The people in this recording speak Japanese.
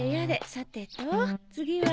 さてと次は。